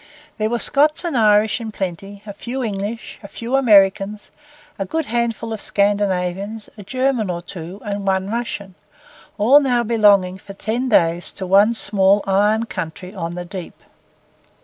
There were Scots and Irish in plenty, a few English, a few Americans, a good handful of Scandinavians, a German or two, and one Russian; all now belonging for ten days to one small iron country on the deep.